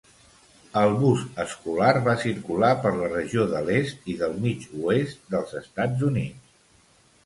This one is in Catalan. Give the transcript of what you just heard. El bus escolar va circular per la regió de l"est i del mig oest dels Estats Units.